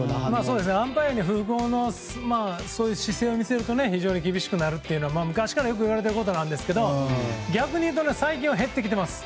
アンパイアに不服の姿勢を見せると非常に厳しくなるというのは昔からよく言われていることですが逆に最近は減ってきています。